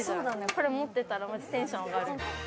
これ持ってたらマジテンション上がる。